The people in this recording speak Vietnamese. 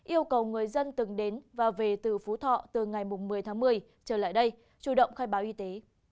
yêu cầu người dân từng đến và về từ phú thọ từ ngày một mươi tháng một mươi trở lại đây chủ động khai báo y tế